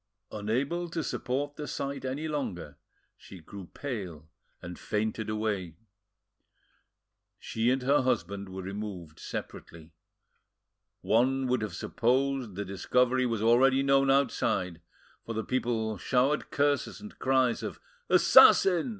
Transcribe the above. Unable to support the sight any longer, she grew pale and fainted away. She and her husband were removed separately. One would have supposed the discovery was already known outside, for the people showered curses and cries of "Assassin!"